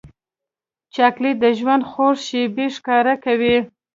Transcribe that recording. چاکلېټ د ژوند خوږې شېبې ښکاره کوي.